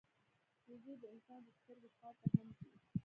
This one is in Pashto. وزې د انسان د سترګو خوا ته هم ځي